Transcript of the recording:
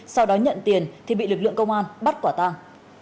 sau đó nhận tiền thì bị lực lượng công an bắt quả tàng